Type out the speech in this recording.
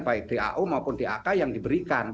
baik dau maupun dak yang diberikan